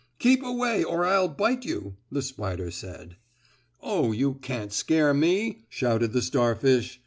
"Keep away or I'll bite you!" the spider said. "Oh, you can't scare me!" shouted the starfish.